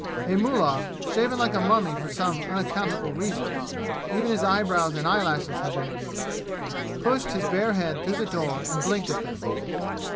A mullah, shaven like a mummy for some unaccountable reason even his eyebrows and eyelashes had been removed pushed his bare head through the door and blinked at them.